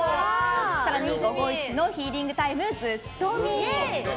更に午後一のヒーリングタイムずっとみ。